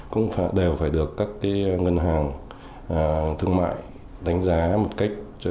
cũng đều phải được các ngân hàng thương mại đánh giá một cách